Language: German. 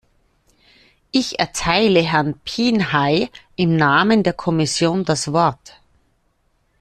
Ich erteile Herrn Pinheiim Namen der Kommission das Wort.